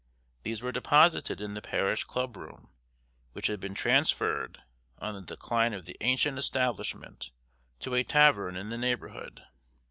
These were deposited in the parish club room, which had been transferred, on the decline of the ancient establishment, to a tavern in the neighborhood.